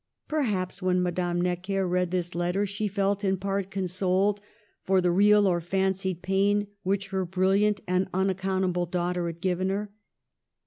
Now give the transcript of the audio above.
Perhaps when Madame Necker read this letter she felt in part consoled for the real or fancied pain which her brilliant and unaccountable daugh ter had given her.